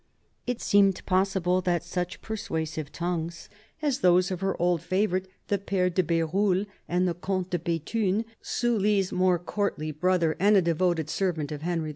It seemed possible that such persuasive tongues as those of her old favourite the Pfere de BeruUe and of the Comte de Bethune, Sully's more courtly brother and a devoted servant of Henry IV.